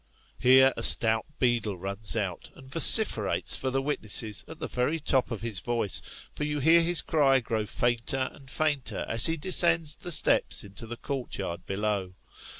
Here, a stout beadle runs out, and vociferates for the witnesses at the very top of his voice ; for you hear his cry grow fainter and fainter as he descends the steps into the court yard below.